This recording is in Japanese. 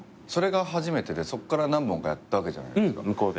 それが初めてでそこから何本かやったわけじゃないですか。